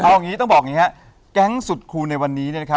เอางี้ต้องบอกแบบนี้นะฮะ